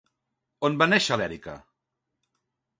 On va néixer l'Erika?